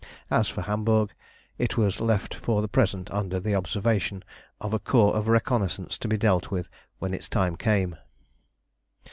As for Hamburg, it was left for the present under the observation of a corps of reconnaissance to be dealt with when its time came.